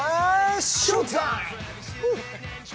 ＳＨＯＷＴＩＭＥ！